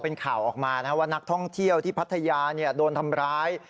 เป็นข่าวออกมาว่านักท่องเที่ยวที่พัทยาโดนทำร้าย